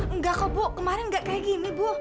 enggak kok bu kemarin gak kayak gini bu